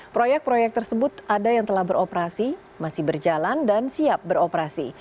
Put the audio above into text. proyek proyek tersebut ada yang telah beroperasi masih berjalan dan siap beroperasi